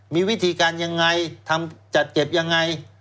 มีวิธีการยังไงทำจัดเก็บยังไง